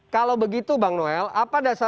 kalau begitu bang noel apa dasar